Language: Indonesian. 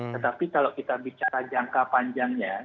tetapi kalau kita bicara jangka panjangnya